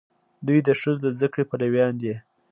دوی د ښځو د زده کړې پلویان دي.